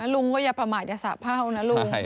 ลุงก็อย่าประมาทอย่าสะเผ้านะลุง